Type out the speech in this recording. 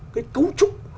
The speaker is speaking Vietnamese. cái cấu trúc